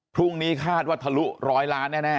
พรุ่งนี้คาดว่าทะลุร้อยล้านแน่